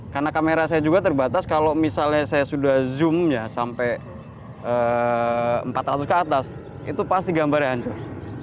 karena kamera saya juga terbatas kalau misalnya saya sudah zoom nya sampai empat ratus ke atas itu pasti gambarnya hancur